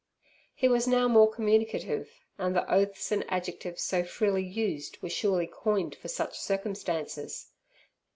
He was now more communicative, and the oaths and adjectives so freely used were surely coined for such circumstances.